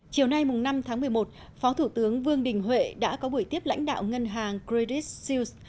chiều nay năm tháng một mươi một phó thủ tướng vương đình huệ đã có buổi tiếp lãnh đạo ngân hàng credit siêu